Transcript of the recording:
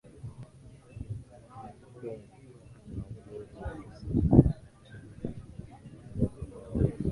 unapokuwa unamhoji afisa usimuache akaongea kwa muda mrefu